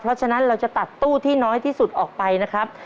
เพราะฉะนั้นเราจะตัดตู้ที่น้อยที่สุดออกไปนะครับ